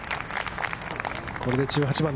ここで１８番